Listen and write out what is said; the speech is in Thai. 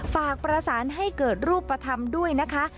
ฝากประสานให้เกิดรูปธรรมด้วยนะคะ